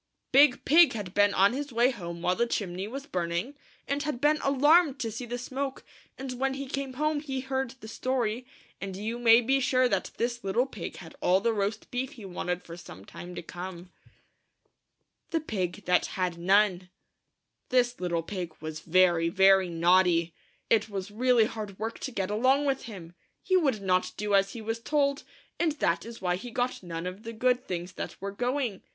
Big Pig had been on his way home while the chimney was burning, and had been alarmed to see the smoke, and when he came home he heard the story, and you may be sure that this little pig had all the roast beef he wanted for some time to come. 168 THE FIVE LITTLE PIGS 169 THE FIVE LITTLE PIGS y 180 A MALICIOUS TRICK THE FIVE LITT'LE PIGS. THE PIG THAT HAD NONE. This little pig was very, very naughty It was really hard work to get along witl him. He would not do as he was told, and that is why he got none of the good things that were going.